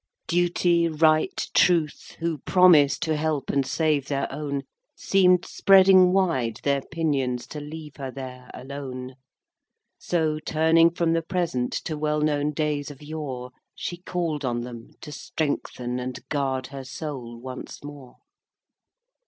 IV. Duty, Right, Truth, who promised To help and save their own, Seem'd spreading wide their pinions To leave her there alone. So, turning from the Present To well known days of yore, She call'd on them to strengthen And guard her soul once more.